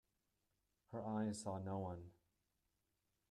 Her eyes saw no one.